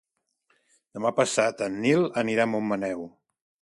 Demà passat en Nil anirà a Montmaneu.